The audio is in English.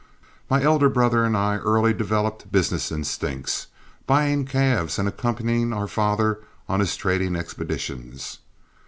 My elder brother and I early developed business instincts, buying calves and accompanying our father on his trading expeditions.